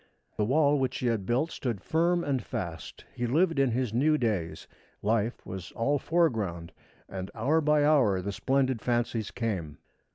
The wall which he had built stood firm and fast. He lived in his new days. Life was all foreground, and hour by hour the splendid fancies came.